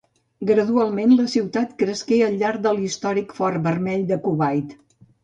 Gradualment, la ciutat cresqué al llarg de l'històric Fort Vermell de Kuwait.